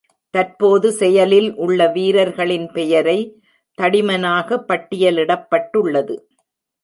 தற்போது செயலில் உள்ள வீரர்களின் பெயரை தடிமனாக பட்டியலிடப்பட்டுள்ளது.